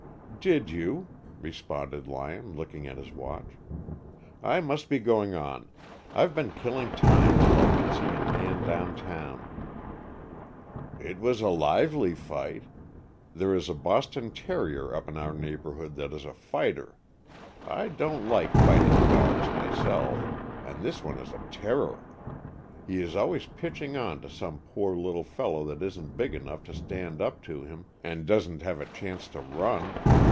"Did you?" responded Lyon, looking at his watch. "I must be going on. I've been killing time till I could see a man down town." "It was a lively fight. There is a Boston terrier up in our neighborhood that is a fighter. I don't like fighting dogs myself, and this one is a terror. He is always pitching on to some poor little fellow that isn't big enough to stand up to him, and doesn't have a chance to run.